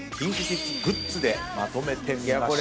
ＫｉｎＫｉＫｉｄｓグッズでまとめてみました。